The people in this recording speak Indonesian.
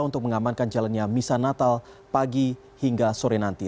untuk mengamankan jalannya misanatal pagi hingga sore nanti